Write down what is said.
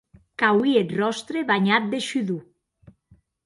Qu'auie eth ròstre banhat de shudor.